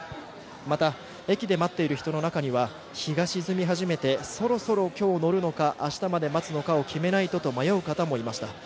また、駅で待っている人の中には日が沈み始めて、そろそろ今日乗るのか明日に乗るのか決めないとと迷う方もいました。